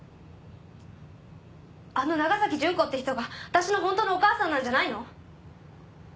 あの長崎純子って人が私の本当のお母さんなんじゃないの？